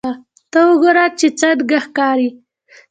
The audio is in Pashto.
ته وګوره چې څنګه ښکاري